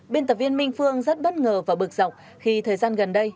biên tập viên minh phương rất bất ngờ và bực dọc khi thời gian gần đây